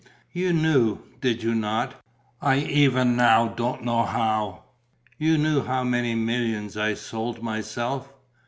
"You knew, did you not I even now don't know how you knew for how many millions I sold myself?